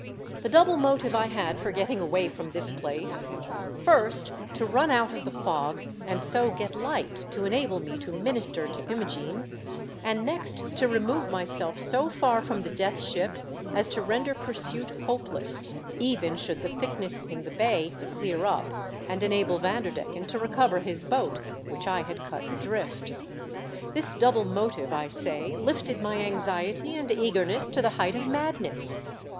The double motive I had for getting away from this place — first, to run out of the fog and so get light to enable me to minister to Imogene, and next to remove myself so far from the Death Ship as to render pursuit hopeless even should the thickness in the bay clear up and enable Vanderdecken to recover his boat which I had cut adrift ; this double motive, I say, lifted my anxiety and eagerness to the height of madness.